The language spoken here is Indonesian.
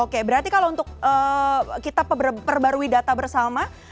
oke berarti kalau untuk kita perbarui data bersama